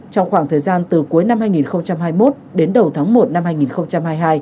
trong khoảng thời gian từ cuối năm hai nghìn hai mươi một đến đầu tháng một năm hai nghìn hai mươi hai